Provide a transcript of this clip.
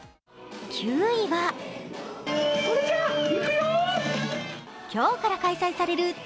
９位は今日から開催される